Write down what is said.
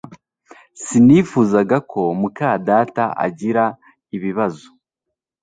Sinifuzaga ko muka data agira ibibazo